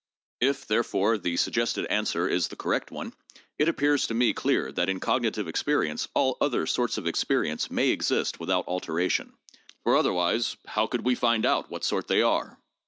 If, therefore, the suggested answer is the correct one, it appears to me clear that in cognitive experience all other sorts of experience may exist without alteration; for, other wise, how could we find out what sort they are?